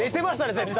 絶対！